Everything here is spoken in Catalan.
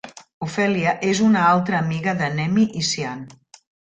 Ophelia és una altra amiga de Nemi i Cyan.